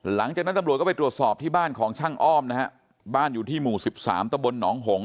หลังจากนั้นตำรวจก็ไปตรวจสอบที่บ้านของช่างอ้อมนะฮะบ้านอยู่ที่หมู่สิบสามตะบลหนองหง